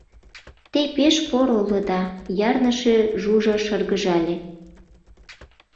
— Те пеш поро улыда, — ярныше Жужа шыргыжале.